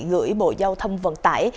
gửi bộ giao thông vận tải